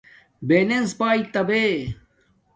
بلنس باݵتا بے